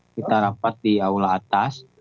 kita rapat di aula atas